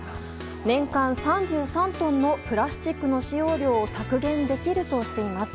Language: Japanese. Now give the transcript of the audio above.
年間３３トンのプラスチックの使用量を削減できるとしています。